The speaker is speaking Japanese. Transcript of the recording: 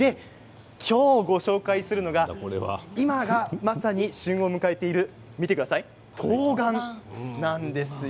今日ご紹介するのが今がまさに旬を迎えているとうがん、なんですよ。